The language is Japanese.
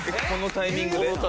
このタイミングで。